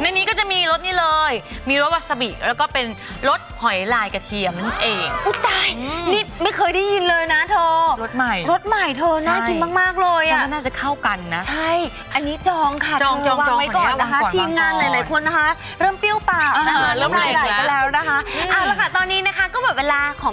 ในนี้ก็จะมีรสนี่เลยมีรสวาซาบิแล้วก็เป็นรสหอยลายกระเทียมนั่นเองนะคะ